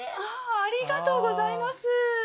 ありがとうございます。